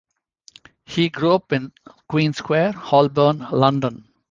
He grew up in Queen Square, Holborn, London.